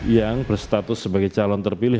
yang berstatus sebagai calon terpilih